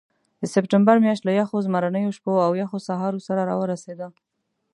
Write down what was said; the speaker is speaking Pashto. د سپټمبر میاشت له یخو زمرینو شپو او یخو سهارو سره راورسېده.